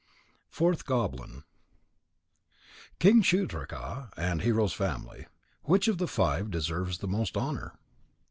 FOURTH GOBLIN _King Shudraka and Hero's Family. Which of the five deserves the most honour?